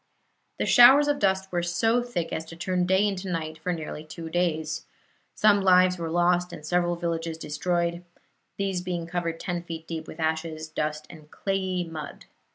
The showers of dust were so thick as to turn day into night for nearly two days. Some lives were lost, and several villages were destroyed, these being covered ten feet deep with ashes, dust and clayey mud.